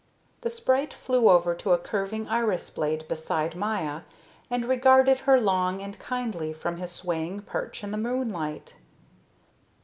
The sprite flew over to a curving iris blade beside Maya and regarded her long and kindly from his swaying perch in the moonlight.